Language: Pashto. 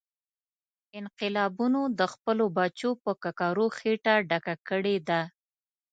انقلابونو د خپلو بچو په ککرو خېټه ډکه کړې ده.